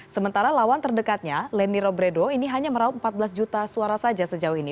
sementara lawan terdekatnya lenny robredo ini hanya meraup empat belas juta suara saja sejauh ini